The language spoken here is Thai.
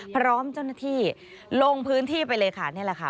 พร้อมเจ้าหน้าที่ลงพื้นที่ไปเลยค่ะนี่แหละค่ะ